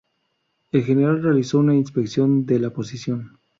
El general realizó una inspección de la posición.